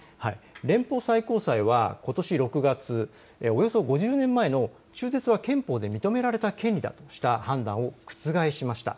連邦最高裁はことし６月、およそ５０年前の中絶は憲法で認められた権利だとした判断を覆しました。